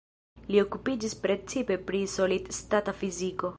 Li okupiĝis precipe pri solid-stata fiziko.